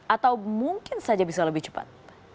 atau mungkin saja bisa lebih cepat